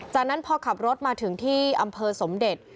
จากนั้นพอขับรถมาถึงที่อำเภอสมเด็จ